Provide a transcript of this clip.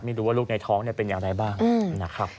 ไม่รู้ว่าลูกในท้องเป็นอย่างไรบ้างนะครับ